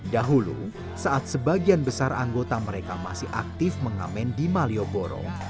dahulu saat sebagian besar anggota mereka masih aktif mengamen di malioboro